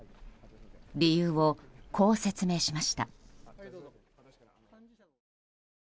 理由を、こう説明しました。